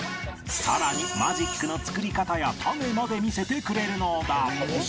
さらにマジックの作り方やタネまで見せてくれるのだ